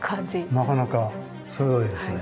なかなか鋭いですね。